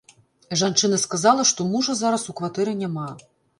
Жанчына сказала, што мужа зараз у кватэры няма.